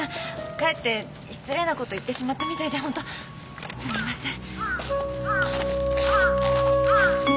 かえって失礼なこと言ってしまったみたいでホントすみません。